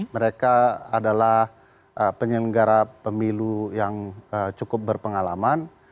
mereka adalah penyelenggara pemilu yang cukup berpengalaman